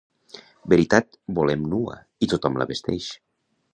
Veritat volem nua i tothom la vesteix.